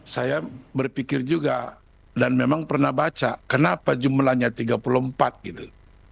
saya berpikir juga dan memang pernah baca kenapa jumlahnya tiga puluh empat gitu